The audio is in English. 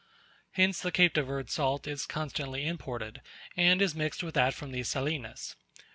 Hence the Cape de Verd salt is constantly imported, and is mixed with that from these salinas.